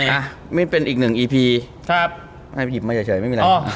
อ่ะไม่เป็นอีกหนึ่งอีพีครับให้หยิบมาเฉยไม่มีอะไร